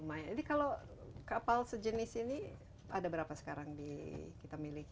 jadi kalau kapal sejenis ini ada berapa sekarang di jerman